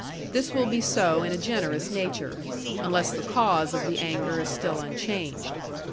This will be so in a generous nature, unless the cause of the anger is still unchanged.